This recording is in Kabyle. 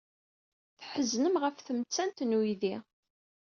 Tḥeznem ɣef tmettant n uydi.